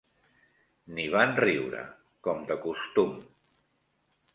Ni van riure, com de costum